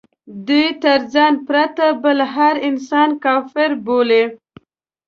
دوی تر ځان پرته بل هر انسان کافر بولي.